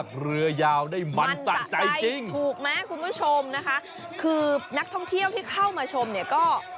คือนักท่องเที่ยวที่เข้ามาชมเนี่ยก็